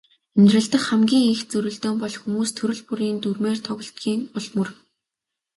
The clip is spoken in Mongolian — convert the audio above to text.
Амьдрал дахь хамгийн их зөрөлдөөн бол хүмүүс төрөл бүрийн дүрмээр тоглодгийн ул мөр.